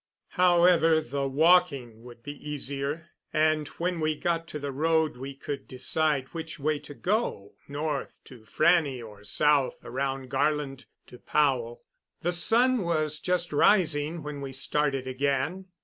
However, the walking would be easier, and when we got to the road we could decide which way to go north to Frannie, or south around Garland to Powell. The sun was just rising when we started again.